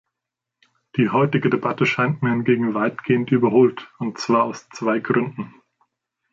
Die heutige Debatte scheint mir hingegen weitgehend überholt, und zwar aus zwei Gründen.